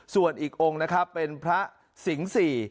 ส่วนอีกองค์นะครับเป็นพระสิงห์สี่